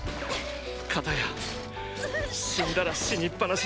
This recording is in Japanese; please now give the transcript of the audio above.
かたや死んだら死にっぱなしの人間。